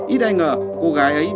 ít ai ngờ cô gái ấy